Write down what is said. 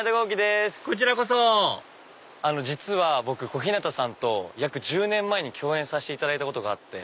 こちらこそ実は僕小日向さんと約１０年前に共演させていただいたことがあって。